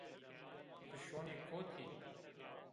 Ti şonî kotî?